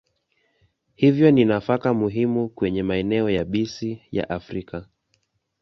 Hivyo ni nafaka muhimu kwenye maeneo yabisi ya Afrika.